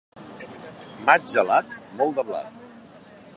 Maig gelat, molt de blat.